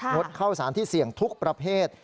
ดเข้าสารที่เสี่ยงทุกประเภท